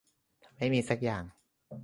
ไม่มีซักอย่าง